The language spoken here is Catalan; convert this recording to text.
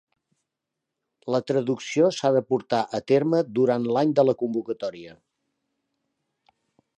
La traducció s'ha de portar a terme durant l'any de la convocatòria.